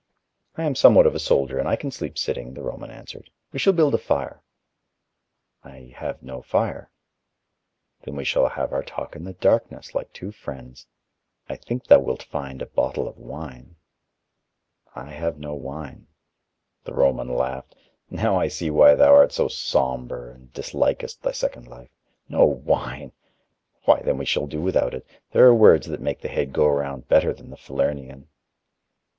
"I am somewhat of a soldier and I can sleep sitting," the Roman answered. "We shall build a fire." "I have no fire." "Then we shall have our talk in the darkness, like two friends. I think thou wilt find a bottle of wine." "I have no wine." The Roman laughed. "Now I see why thou art so somber and dislikest thy second life. No wine! Why, then we shall do without it: there are words that make the head go round better than the Falernian."